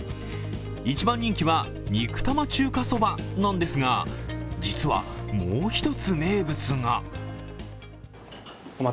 一番人気は肉玉中華そばなんですが、実はもう一つ名物が。